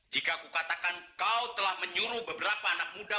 jika aku katakan kau telah menyuruh beberapa anak muda